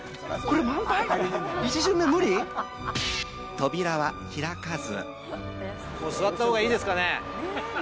扉は開かず。